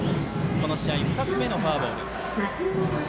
この試合、２つ目のフォアボール。